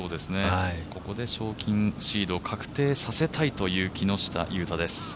ここで賞金シードを確定させたいという木下裕太です。